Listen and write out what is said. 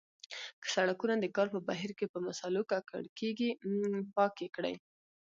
که سړکونه د کار په بهیر کې په مسالو ککړیږي پاک یې کړئ.